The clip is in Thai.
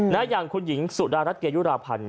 อย่างคุณหญิงสุดารัฐเกยุราพันธ์